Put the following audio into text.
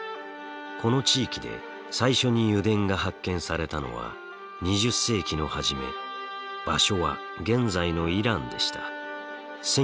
この地域で最初に油田が発見されたのは２０世紀の初め場所は現在のイランでした。